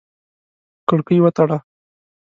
کړکۍ وتړه!